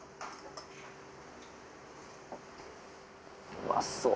うまそう！